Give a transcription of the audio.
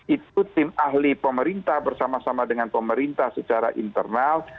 itu tim ahli pemerintah bersama sama dengan pemerintah secara internal